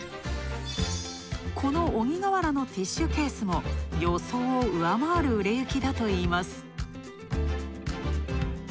この鬼瓦のティッシュケースも予想を上回る売れ行きだといいます。